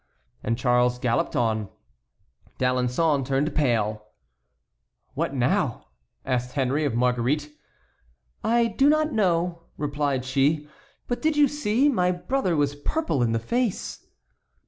And Charles galloped on. D'Alençon turned pale. "What now?" asked Henry of Marguerite. "I do not know," replied she; "but did you see? My brother was purple in the face."